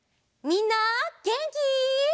みんなげんき？